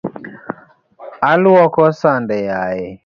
Aluoko sande yaye.